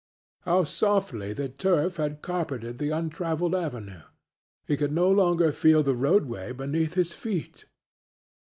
How softly the turf had carpeted the untraveled avenue he could no longer feel the roadway beneath his feet!